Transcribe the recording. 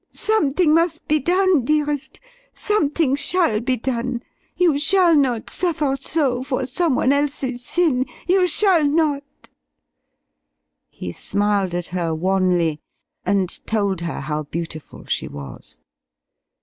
Something must be done, dearest; something shall be done! You shall not suffer so, for someone else's sin you shall not!" He smiled at her wanly, and told her how beautiful she was.